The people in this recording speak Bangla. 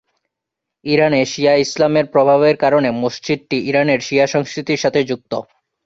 ইরানে শিয়া ইসলামের প্রভাবের কারণে মসজিদটি ইরানের শিয়া সংস্কৃতির সাথে যুক্ত।